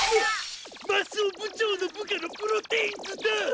マスオ部長の部下のプロテインズだ！